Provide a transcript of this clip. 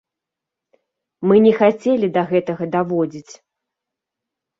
Мы не хацелі да гэтага даводзіць.